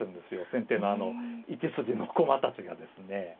先手側の１筋の駒たちがですね。